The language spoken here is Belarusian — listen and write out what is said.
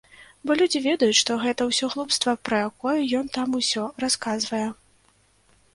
Бо людзі ведаюць, што гэта ўсё глупства, пра якое ён там усё расказвае.